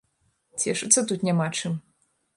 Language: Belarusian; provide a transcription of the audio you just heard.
Цешыцца тут няма чым.